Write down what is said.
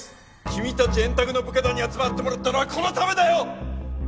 君たち円卓の部下団に集まってもらったのはこのためだよ！